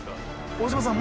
大島さん